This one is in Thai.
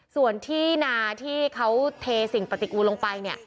ส่วนที่นาที่เขาเทสิ่งปฏิกูลงไปเนี่ย